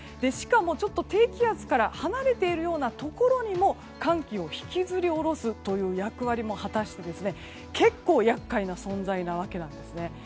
しかもちょっと低気圧から離れているようなところにも寒気を引きずり下ろすという役割も果たして結構、厄介な存在なわけです。